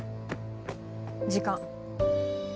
時間。